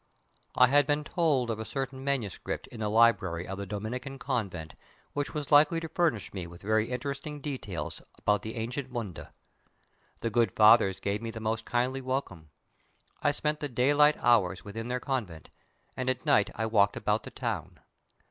I had been told of a certain manuscript in the library of the Dominican convent which was likely to furnish me with very interesting details about the ancient Munda. The good fathers gave me the most kindly welcome. I spent the daylight hours within their convent, and at night I walked about the town.